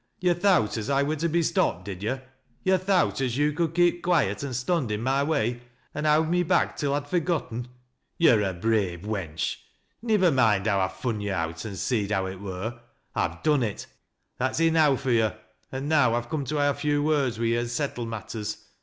" Yo' thowt as I wur to be stopped, did yo' ? Yo' thowl as yo' could keep quiet an' stond i' my way, an' houd lua back till I'd forgetten i Yo're a brave wench ! Nivver moind how I fun yo' out, an' seed how it wiir — I've doua it, that's enow fur yo' ; an' now I've coom to ha' a few words wi' yo' and settle matters.